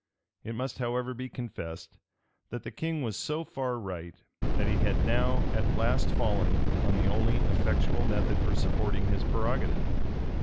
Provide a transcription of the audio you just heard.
It must, however, be confessed, that the king was so far right, that he had now at last fallen on the only effectual method for supporting his prerogative.